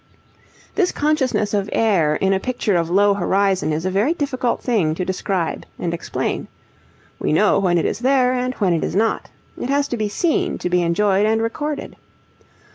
This consciousness of air in a picture of low horizon is a very difficult thing to describe and explain. We know when it is there and when it is not. It has to be seen, to be enjoyed, and recorded.